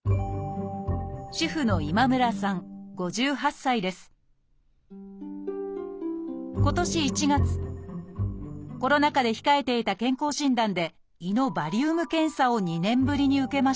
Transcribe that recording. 主婦の今年１月コロナ禍で控えていた健康診断で胃のバリウム検査を２年ぶりに受けました。